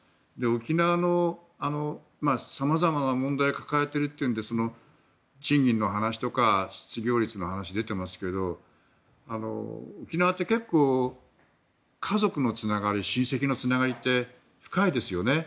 沖縄、さまざまな問題を抱えているというので賃金の話とか失業率の話が出ていますが沖縄って結構、家族のつながり親戚のつながりって深いですよね。